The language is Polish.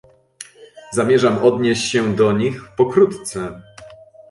Zamierzam odnieść się do nich pokrótce